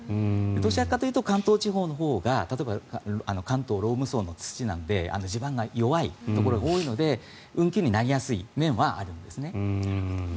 どちらかというと関東地方のほうが例えば関東ローム層の土なので地盤が弱いところが多いので運休になりやすいんです。